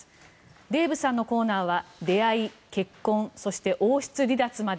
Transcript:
デーブさんのコーナーは出会い、結婚そして王室離脱まで。